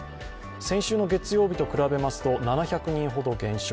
先週の月曜日と比べますと７００人ほど減少。